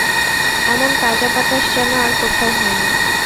এমন তাজা বাতাস যেন আর কোথাও হয়না।